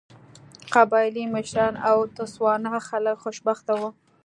قبایلي مشران او د تسوانا خلک خوشبخته وو.